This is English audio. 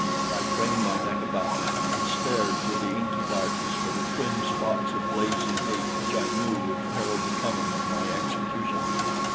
I craned my neck about, and stared through the inky darkness for the twin spots of blazing hate which I knew would herald the coming of my executioner.